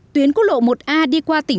tuyến cốt lộ một a đi qua tỉnh bắc giang